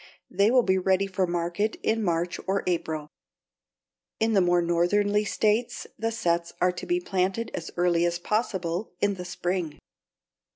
They will be ready for market in March or April. In the more northerly states the sets are to be planted as early as possible in the spring.